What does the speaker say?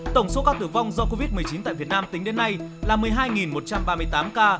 tổng số ca tử vong do covid một mươi chín tại việt nam tính đến nay là một mươi hai một trăm ba mươi tám ca